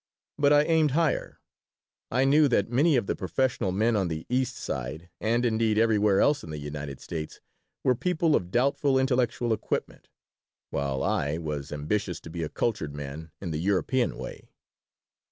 But I aimed higher. I knew that many of the professional men on the East Side, and, indeed, everywhere else in the United States, were people of doubtful intellectual equipment, while I was ambitious to be a cultured man "in the European way."